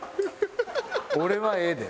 俺はええで。